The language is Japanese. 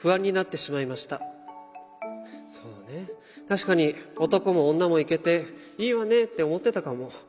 確かに男も女もいけていいわねって思ってたかも。